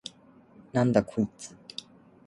なんだこいつ！？